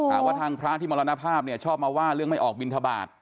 หาว่าทางพระที่มรณภาพเนี่ยชอบมาว่าเรื่องไม่ออกบินทบาท